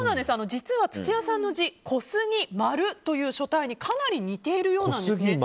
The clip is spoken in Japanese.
実は、土屋さんの字コスギマルという書体にかなり似ているようなんです。